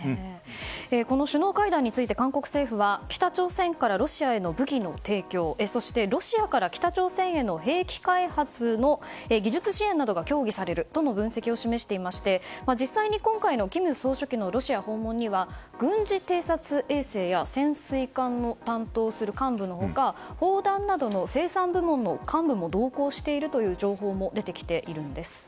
この首脳会談について韓国政府は北朝鮮からロシアへの武器の提供そしてロシアから北朝鮮への兵器開発の技術支援などが協議されるとの分析を示していまして実際に今回の金総書記のロシア訪問には軍事偵察衛星や潜水艦の担当する幹部の他砲弾などの生産部門の幹部も同行しているという情報も出てきているんです。